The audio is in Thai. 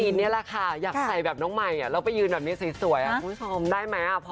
อันนี้แหละค่ะอยากใส่แบบน้องมัยแล้วไปยืนแบบนี้สวยสวมได้ไหมพอไหวป่ะ